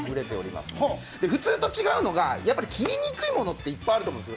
普通と違うのが切りにくいものっていっぱいあると思います。